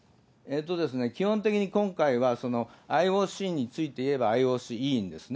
基本的に今回は、ＩＯＣについていえばＩＯＣ委員ですね。